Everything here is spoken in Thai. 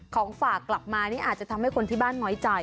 ของฝากกลับมานี่อาจจะทำให้คนที่บ้านน้อยใจ